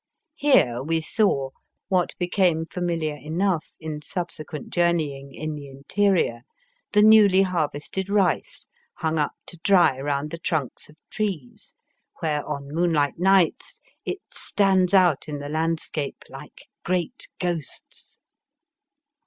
Here we saw, what became familiar enough in subsequent journeying in the interior, the newly harvested rice hung up to dry round the trunks of trees, where on moonlight nights it stands out in the landscape like great ghosts.